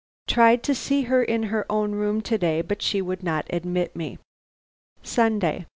Tried to see her in her own room to day, but she would not admit me. "Sunday.